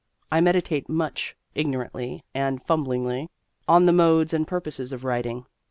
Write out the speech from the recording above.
I meditate much, ignorantly and fumblingly, on the modes and purposes of writing.